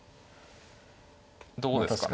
どうですかね。